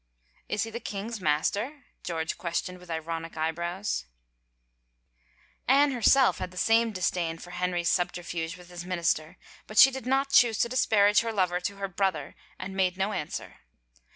"Is he the king's master?" George questioned with ironic eyebrows. Anne herself had the same disdain for Henry's subter fuge with his minister but she did not choose to dis parage her lover to her brother and made no answer.